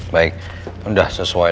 pikiran aku yang